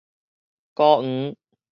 鴣黃